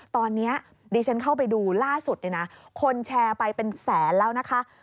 ตอนนี้ดิฉันเข้าไปดูล่าสุดเนี่ยนะคนแชร์ไปเป็นแสนแล้วนะคะ